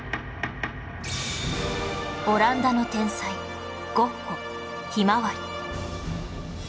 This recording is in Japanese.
オランダの天才ゴッホ『ひまわり』